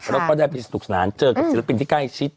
แล้วก็ได้ไปสนุกสนานเจอกับศิลปินที่ใกล้ชิด